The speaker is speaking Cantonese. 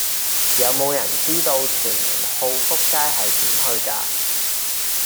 有無人知道屯門浩福街係點去㗎